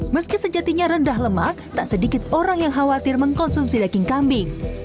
meski sejatinya rendah lemak tak sedikit orang yang khawatir mengkonsumsi daging kambing